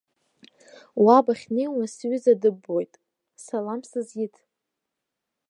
Уа бахьнеиуа сҩыза дыббоит, салам сызиҭ!